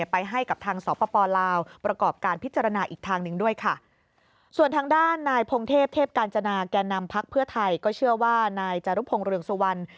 ภักดิ์เพื่อไทยก็เชื่อว่านายจารุพงศ์เรืองสุวรรณ